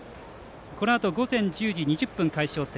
このあと午前１０時２０分開始予定